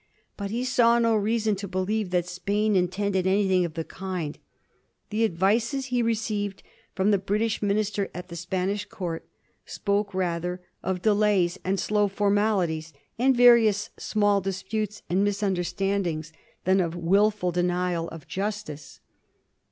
But he saw no reason to be lieve that Spain intended anything of the kind. The ad vices he received from the British Minister at the Spanish Court spoke rather of delays and slow formalities, and various small disputes and misunderstandings, than of wil 1738. ALDERMAN PERRY'S MOTION. 153 ful denial of justice.